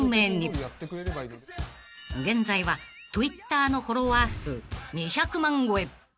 ［現在はＴｗｉｔｔｅｒのフォロワー数２００万超え］